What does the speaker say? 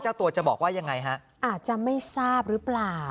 เจ้าตัวจะบอกว่ายังไงฮะอาจจะไม่ทราบหรือเปล่า